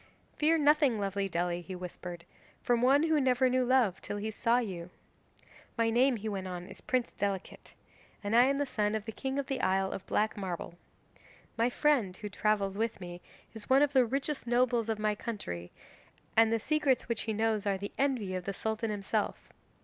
'"Fear nothing, lovely Dely," he whispered, "from one who never knew love till he saw you. My name," he went on, "is Prince Delicate, and I am the son of the king of the Isle of Black Marble. My friend, who travels with me, is one of the richest nobles of my country, and the secrets which he knows are the envy of the Sultan himself.